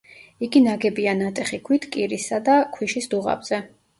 იგი ნაგებია ნატეხი ქვით კირისა და ქვიშის დუღაბზე.